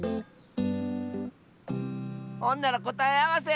ほんならこたえあわせ！